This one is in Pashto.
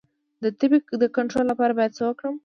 د تبې د کنټرول لپاره باید څه وکړم؟